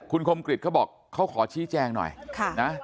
คุณคมกริจเขาบอกเขาขอชี้แจงหน่อยนะ